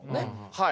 はい。